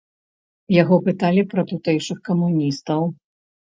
Яго пыталі пра тутэйшых камуністаў.